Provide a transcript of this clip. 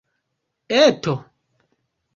Eto?